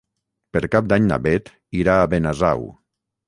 Per Cap d'Any na Bet irà a Benasau.